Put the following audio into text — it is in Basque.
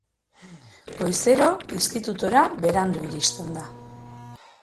Goizero institutura berandu iristen da.